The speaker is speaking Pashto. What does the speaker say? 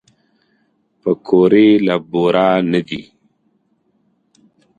پکورې له بوره نه دي